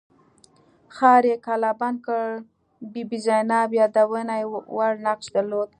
ښار یې کلابند کړ بي بي زینب یادونې وړ نقش درلود.